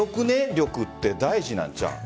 力って大事なんちゃうん。